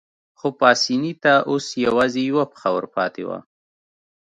خو پاسیني ته اوس یوازې یوه پښه ورپاتې وه.